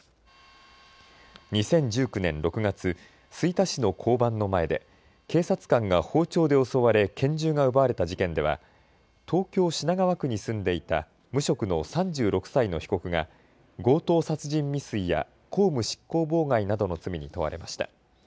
２０１９年６月、吹田市の交番の前で警察官が包丁で襲われ拳銃が奪われた事件では東京品川区に住んでいた無職の３６歳の被告が強盗殺人未遂や公務執行妨害などの罪に問われました。